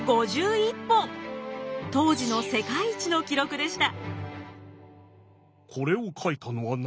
当時の世界一の記録でした。